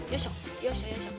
よいしょよいしょ！